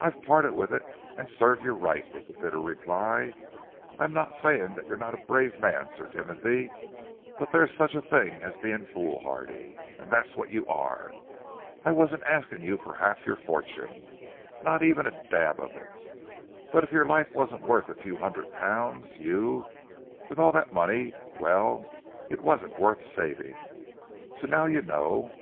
"I've parted with it and serve you right," was the bitter reply. "I'm not saying that you're not a brave man, Sir Timothy, but there's such a thing as being foolhardy, and that's what you are. I wasn't asking you for half your fortune, nor even a dab of it, but if your life wasn't worth a few hundred pounds you, with all that money well, it wasn't worth saving. So now you know.